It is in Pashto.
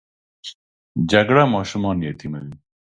جګړه ماشومان یتیموي